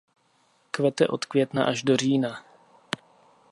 Kvete od května až do října.